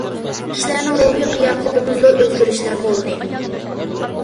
كىشىلەرنىڭ روھىي قىياپىتىدىمۇ زور ئۆزگىرىشلەر بولدى.